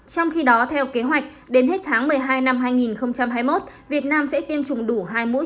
trong khi đó theo kế hoạch đến hết tháng một mươi hai năm hai nghìn hai mươi một việt nam sẽ tiêm chủng đủ hai mũi